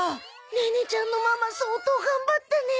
ネネちゃんのママ相当頑張ったね。